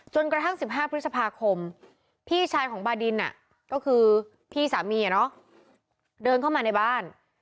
กระทั่ง๑๕พฤษภาคมพี่ชายของบาดินก็คือพี่สามีเดินเข้ามาในบ้าน